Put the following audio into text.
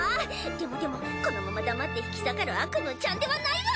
でもでもこのまま黙って引き下がるアクムーちゃんではないわ。